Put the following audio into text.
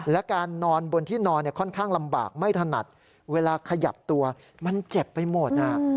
และการนอนบนที่นอนค่อนข้างลำบากไม่ถนัดเวลาขยับตัวมันเจ็บไปหมด